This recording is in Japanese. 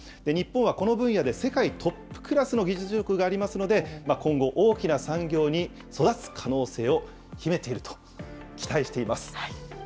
日本はこの分野で世界トップクラスの技術力がありますので、今後、大きな産業に育つ可能性を秘めていると期待しています。